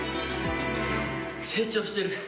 成長してる。